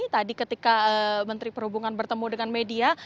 tadi ketika menteri perhubungan bertemu dengan media